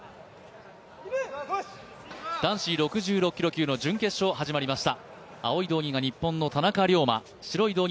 男子６６キロ級の準決勝、始まりました。